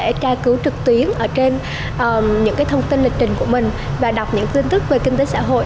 tôi có thể ca cứu trực tuyến ở trên những thông tin lịch trình của mình và đọc những tin tức về kinh tế xã hội